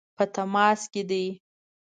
په تماس کې دي.